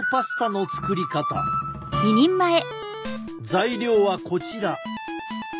材料はこちら。